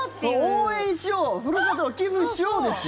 応援しようふるさとに寄付しようですよ。